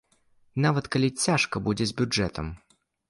Нават калі цяжка будзе з бюджэтам.